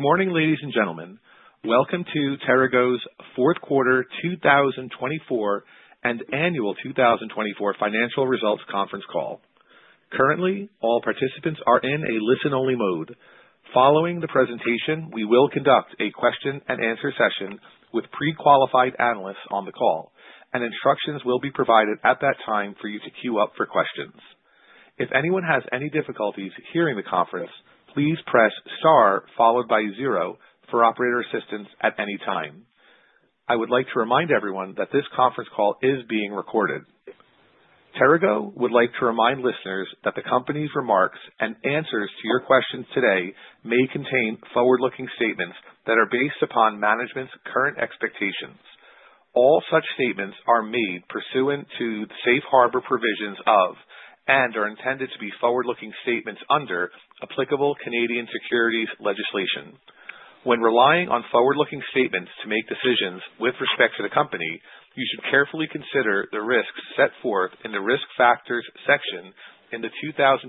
Good morning, ladies and gentlemen. Welcome to TeraGo's fourth quarter 2024 and annual 2024 financial results conference call. Currently, all participants are in a listen-only mode. Following the presentation, we will conduct a question-and-answer session with pre-qualified analysts on the call, and instructions will be provided at that time for you to queue up for questions. If anyone has any difficulties hearing the conference, please press star followed by zero for operator assistance at any time. I would like to remind everyone that this conference call is being recorded. TeraGo would like to remind listeners that the company's remarks and answers to your questions today may contain forward-looking statements that are based upon management's current expectations. All such statements are made pursuant to the safe harbor provisions of and are intended to be forward-looking statements under applicable Canadian securities legislation. When relying on forward-looking statements to make decisions with respect to the company, you should carefully consider the risks set forth in the Risk Factors section in the 2024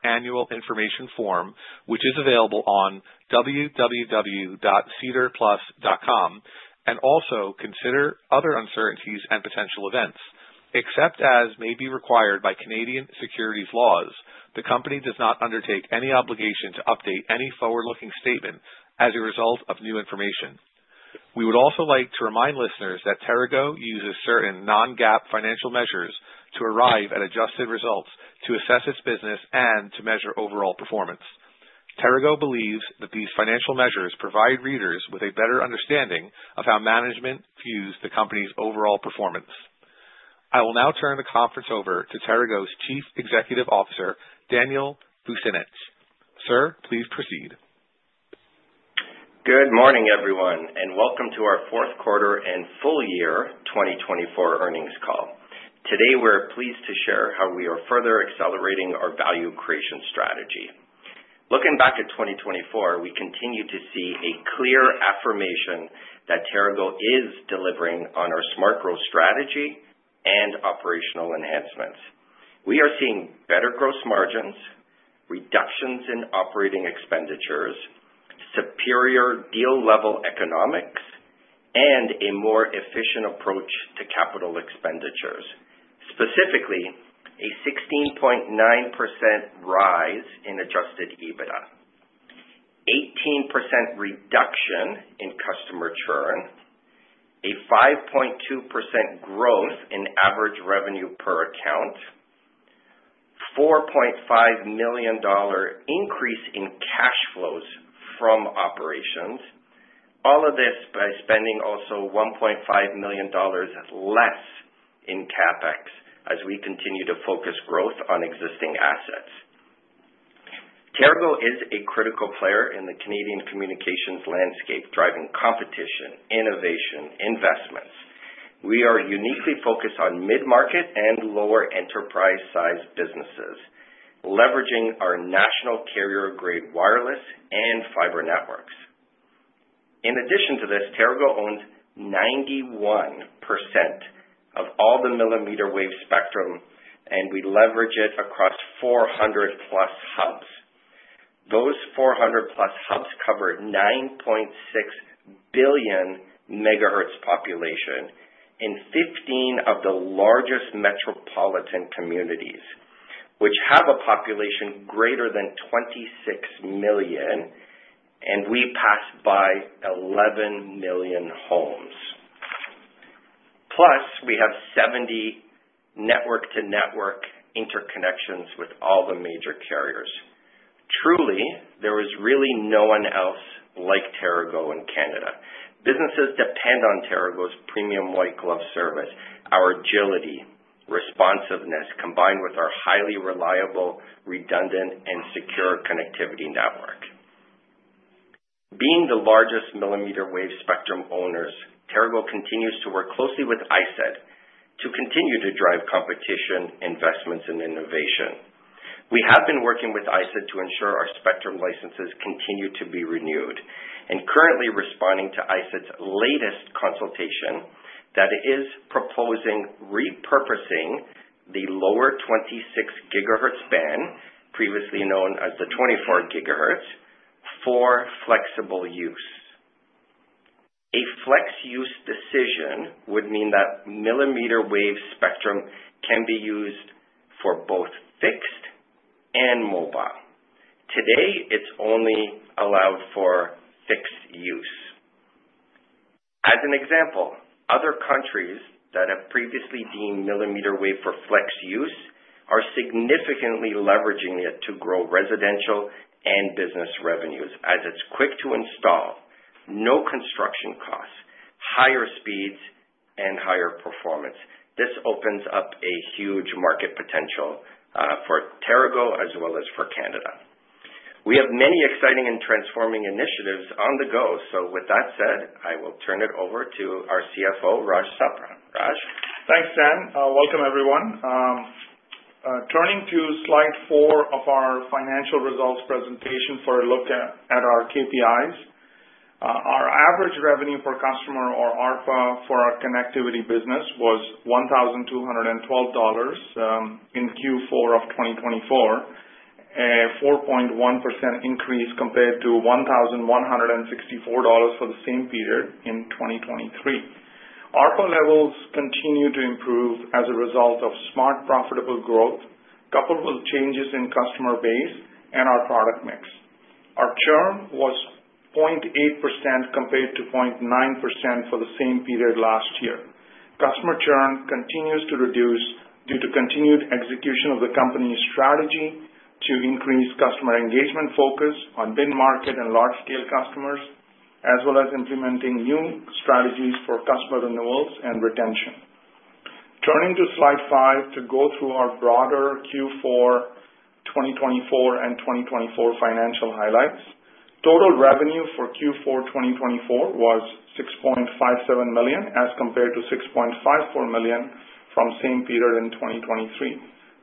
Annual Information Form, which is available on www.sedarplus.com, and also consider other uncertainties and potential events. Except as may be required by Canadian securities laws, the company does not undertake any obligation to update any forward-looking statement as a result of new information. We would also like to remind listeners that TeraGo uses certain non-GAAP financial measures to arrive at adjusted results, to assess its business, and to measure overall performance. TeraGo believes that these financial measures provide readers with a better understanding of how management views the company's overall performance. I will now turn the conference over to TeraGo's Chief Executive Officer, Daniel Vucinic. Sir, please proceed. Good morning, everyone, and welcome to our fourth quarter and full year 2024 earnings call. Today, we're pleased to share how we are further accelerating our value creation strategy. Looking back at 2024, we continue to see a clear affirmation that TeraGo is delivering on our smart growth strategy and operational enhancements. We are seeing better gross margins, reductions in operating expenditures, superior deal-level economics, and a more efficient approach to capital expenditures. Specifically, a 16.9% rise in adjusted EBITDA, an 18% reduction in customer churn, a 5.2% growth in average revenue per account, and a 4.5 million dollar increase in cash flows from operations. All of this by spending also 1.5 million dollars less in CapEx as we continue to focus growth on existing assets. TeraGo is a critical player in the Canadian communications landscape, driving competition, innovation, and investments. We are uniquely focused on mid-market and lower enterprise-sized businesses, leveraging our national carrier-grade wireless and fiber networks. In addition to this, TeraGo owns 91% of all the millimeter wave spectrum, and we leverage it across 400+ hubs. Those 400+ hubs cover 9.6 billion MHz population in 15 of the largest metropolitan communities, which have a population greater than 26 million, and we pass by 11 million homes. Plus, we have 70 network-to-network interconnections with all the major carriers. Truly, there is really no one else like TeraGo in Canada. Businesses depend on TeraGo's premium white-glove service, our agility, responsiveness, combined with our highly reliable, redundant, and secure connectivity network. Being the largest millimeter wave spectrum owners, TeraGo continues to work closely with ISED to continue to drive competition, investments, and innovation. We have been working with ISED to ensure our spectrum licenses continue to be renewed and currently responding to ISED's latest consultation that is proposing repurposing the lower 26 GHz band, previously known as the 24 GHz, for flexible use. A flex use decision would mean that millimeter wave spectrum can be used for both fixed and mobile. Today, it's only allowed for fixed use. As an example, other countries that have previously deemed millimeter wave for flex use are significantly leveraging it to grow residential and business revenues as it's quick to install, no construction costs, higher speeds, and higher performance. This opens up a huge market potential for TeraGo as well as for Canada. We have many exciting and transforming initiatives on the go. With that said, I will turn it over to our CFO, Raj Sapra. Raj, thanks, Dan. Welcome, everyone. Turning to Slide 4 of our financial results presentation for a look at our KPIs, our average revenue per customer, or ARPA, for our connectivity business was CAD 1,212 in Q4 of 2024, a 4.1% increase compared to 1,164 dollars for the same period in 2023. ARPA levels continue to improve as a result of smart profitable growth coupled with changes in customer base and our product mix. Our churn was 0.8% compared to 0.9% for the same period last year. Customer churn continues to reduce due to continued execution of the company's strategy to increase customer engagement focus on mid-market and large-scale customers, as well as implementing new strategies for customer renewals and retention. Turning to Slide 5 to go through our broader Q4 2024 and 2024 financial highlights, total revenue for Q4 2024 was 6.57 million as compared to 6.54 million from the same period in 2023.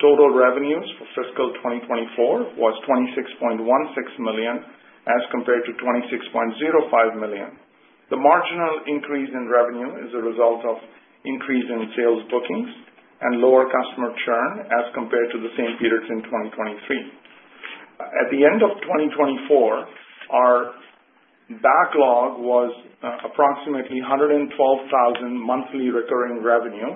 Total revenues for fiscal 2024 was 26.16 million as compared to 26.05 million. The marginal increase in revenue is a result of an increase in sales bookings and lower customer churn as compared to the same period in 2023. At the end of 2024, our backlog was approximately 112,000 monthly recurring revenue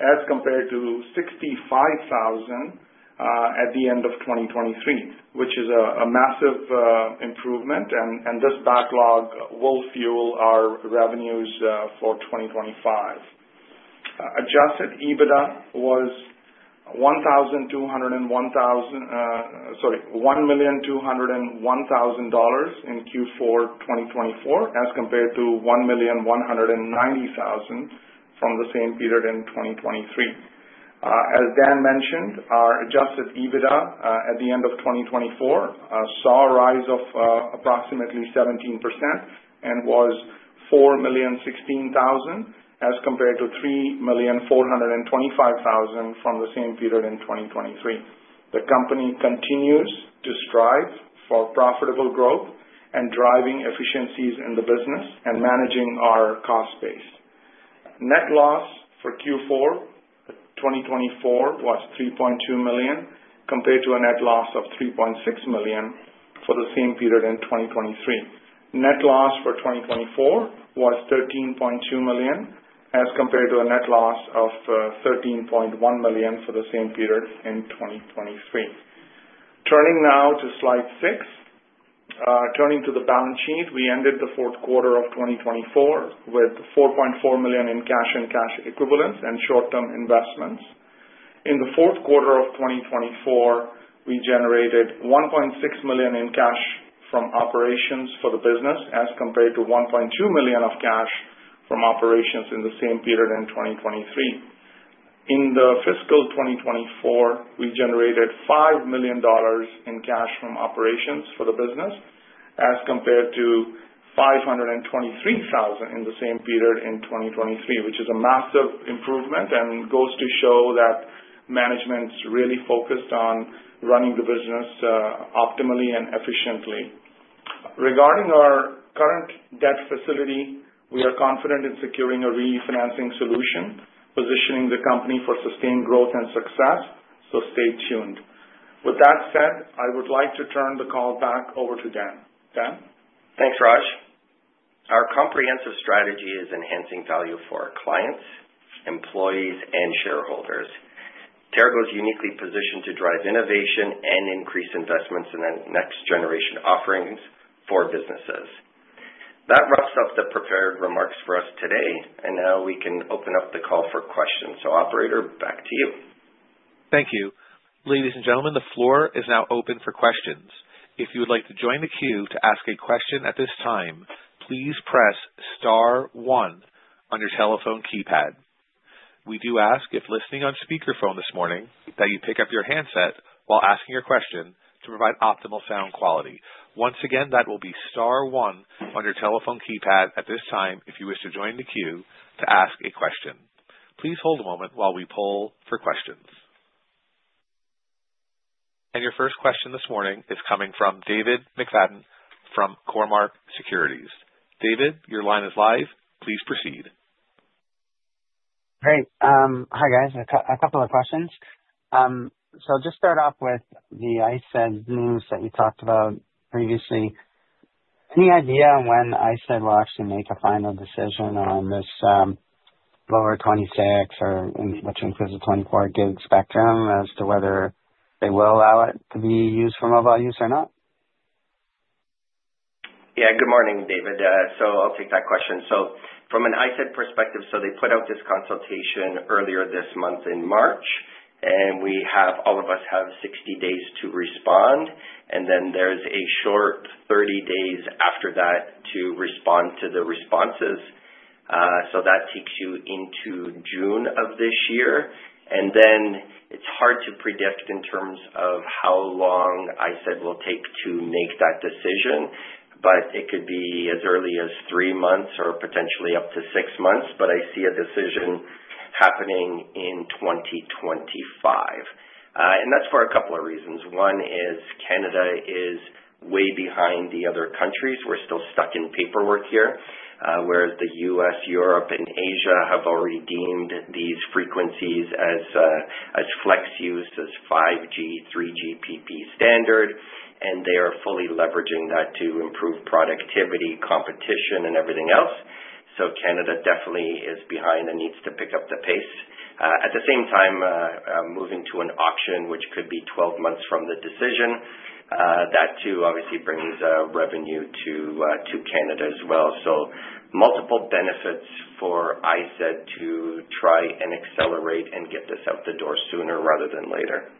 as compared to 65,000 at the end of 2023, which is a massive improvement, and this backlog will fuel our revenues for 2025. Adjusted EBITDA was 1,201,000 dollars in Q4 2024 as compared to 1,190,000 from the same period in 2023. As Dan mentioned, our adjusted EBITDA at the end of 2024 saw a rise of approximately 17% and was 4,016,000 as compared to 3,425,000 from the same period in 2023. The company continues to strive for profitable growth and driving efficiencies in the business and managing our cost base. Net loss for Q4 2024 was 3.2 million compared to a net loss of 3.6 million for the same period in 2023. Net loss for 2024 was 13.2 million as compared to a net loss of 13.1 million for the same period in 2023. Turning now to Slide 6, turning to the balance sheet, we ended the fourth quarter of 2024 with 4.4 million in cash and cash equivalents and short-term investments. In the fourth quarter of 2024, we generated 1.6 million in cash from operations for the business as compared to 1.2 million of cash from operations in the same period in 2023. In the fiscal 2024, we generated 5 million dollars in cash from operations for the business as compared to 523,000 in the same period in 2023, which is a massive improvement and goes to show that management's really focused on running the business optimally and efficiently. Regarding our current debt facility, we are confident in securing a refinancing solution, positioning the company for sustained growth and success. Stay tuned. With that said, I would like to turn the call back over to Dan. Dan. Thanks, Raj. Our comprehensive strategy is enhancing value for our clients, employees, and shareholders. TeraGo is uniquely positioned to drive innovation and increase investments in the next generation offerings for businesses. That wraps up the prepared remarks for us today, and now we can open up the call for questions. Operator, back to you. Thank you. Ladies and gentlemen, the floor is now open for questions. If you would like to join the queue to ask a question at this time, please press star one on your telephone keypad. We do ask if listening on speakerphone this morning that you pick up your handset while asking your question to provide optimal sound quality. Once again, that will be star one on your telephone keypad at this time if you wish to join the queue to ask a question. Please hold a moment while we pull for questions. Your first question this morning is coming from David McFadden from Cormark Securities. David, your line is live. Please proceed. Great. Hi, guys. A couple of questions. I'll just start off with the ISED news that you talked about previously. Any idea when ISED will actually make a final decision on this lower 26 or which includes the 24 GHz spectrum as to whether they will allow it to be used for mobile use or not? Yeah, good morning, David. I'll take that question. From an ISED perspective, they put out this consultation earlier this month in March, and all of us have 60 days to respond. There is a short 30 days after that to respond to the responses. That takes you into June of this year. It's hard to predict in terms of how long ISED will take to make that decision, but it could be as early as three months or potentially up to six months. I see a decision happening in 2025. That's for a couple of reasons. One is Canada is way behind the other countries. We're still stuck in paperwork here, whereas the U.S., Europe, and Asia have already deemed these frequencies as flex use, as 5G, 3GPP standard, and they are fully leveraging that to improve productivity, competition, and everything else. Canada definitely is behind and needs to pick up the pace. At the same time, moving to an auction, which could be 12 months from the decision, that too obviously brings revenue to Canada as well. Multiple benefits for ISED to try and accelerate and get this out the door sooner rather than later.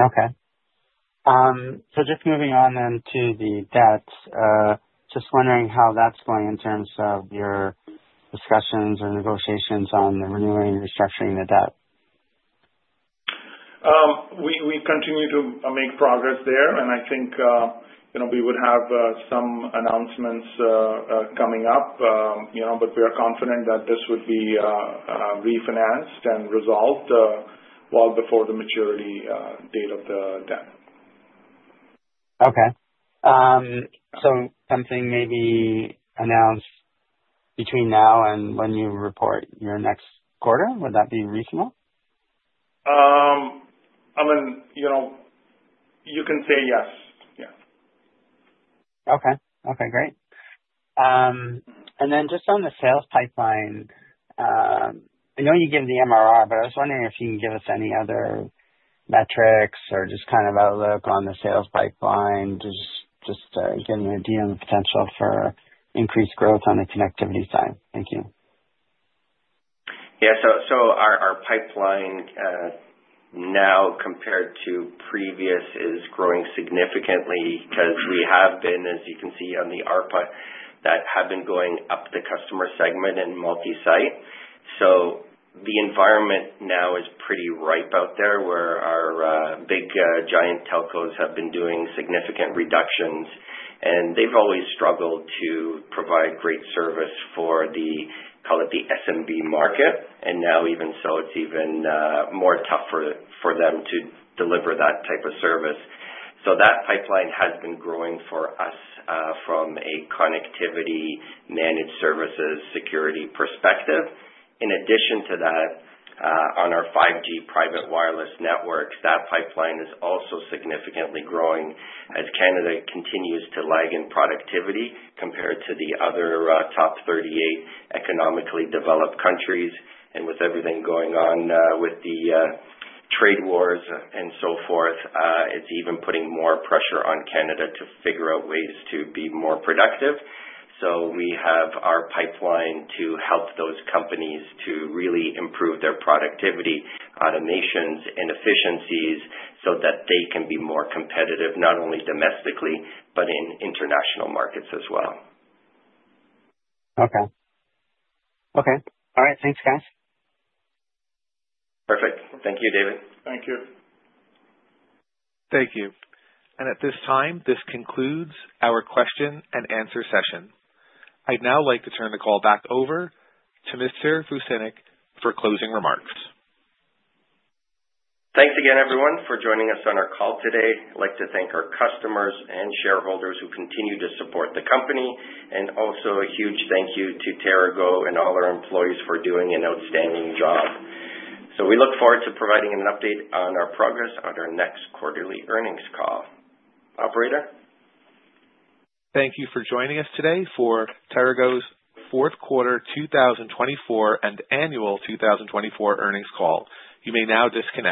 Okay. Just moving on to the debt, just wondering how that's going in terms of your discussions and negotiations on the renewing and restructuring the debt. We continue to make progress there, and I think we would have some announcements coming up, but we are confident that this would be refinanced and resolved well before the maturity date of the debt. Okay. Something may be announced between now and when you report your next quarter. Would that be reasonable? I mean, you can say yes. Yeah. Okay. Okay. Great. Just on the sales pipeline, I know you gave the MRR, but I was wondering if you can give us any other metrics or just kind of outlook on the sales pipeline just to give an idea of the potential for increased growth on the connectivity side. Thank you. Yeah. Our pipeline now compared to previous is growing significantly because we have been, as you can see on the ARPA, that have been going up the customer segment and multi-site. The environment now is pretty ripe out there where our big giant telcos have been doing significant reductions, and they've always struggled to provide great service for the, call it the SMB market. Now even so, it's even more tough for them to deliver that type of service. That pipeline has been growing for us from a connectivity managed services security perspective. In addition to that, on our 5G private wireless networks, that pipeline is also significantly growing as Canada continues to lag in productivity compared to the other top 38 economically developed countries. With everything going on with the trade wars and so forth, it's even putting more pressure on Canada to figure out ways to be more productive. We have our pipeline to help those companies to really improve their productivity, automations, and efficiencies so that they can be more competitive not only domestically, but in international markets as well. Okay. Okay. All right. Thanks, guys. Perfect. Thank you, David. Thank you. Thank you. At this time, this concludes our question and answer session. I'd now like to turn the call back over to Mr. Vucinic for closing remarks. Thanks again, everyone, for joining us on our call today. I'd like to thank our customers and shareholders who continue to support the company. I also want to give a huge thank you to TeraGo and all our employees for doing an outstanding job. We look forward to providing an update on our progress at our next quarterly earnings call. Operator. Thank you for joining us today for TeraGo's fourth quarter 2024 and annual 2024 earnings call. You may now disconnect.